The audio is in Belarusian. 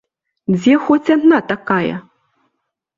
Дзе хоць адна такая?